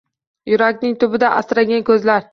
Yurakning tubida asragan so’zlar